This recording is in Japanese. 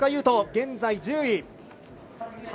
斗、現在１０位。